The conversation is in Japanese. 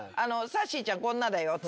さっしーちゃんこんなだよって。